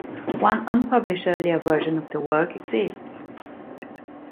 One unpublished earlier version of the work exists.